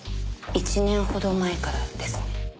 １年ほど前からですね。